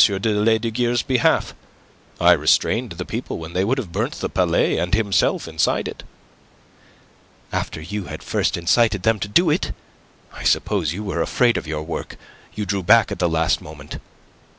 de Lesdiguieres' behalf. I restrained the people when they would have burnt the Palais and himself inside it." "After you had first incited them to do it. I suppose you were afraid of your work. You drew back at the last moment.